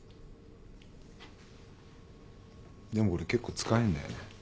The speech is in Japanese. でもこれ結構使えんだよね。